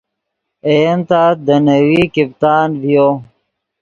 اے ین تت دے نیوی کیپتان ڤیو